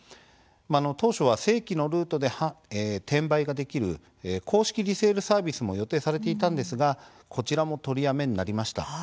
当初は正規のルートで転売ができる公式リセールサービスも予定されていたんですがこちらも取りやめになりました。